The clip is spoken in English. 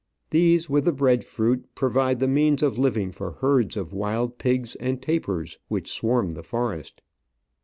These, with the bread fruit, provide the means of Hving for herds of wild pigs and tapirs, which swarm the forest.